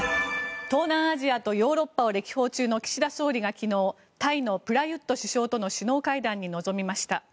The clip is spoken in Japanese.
東南アジアとヨーロッパを歴訪中の岸田総理が昨日、タイのプラユット首相との首脳会談に臨みました。